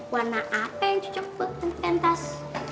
warna apa yang cocok buat pen pen tas